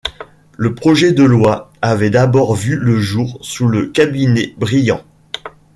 Le projet de loi avait d'abord vu le jour sous le cabinet Briand.